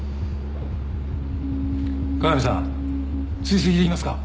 加賀美さん追跡できますか？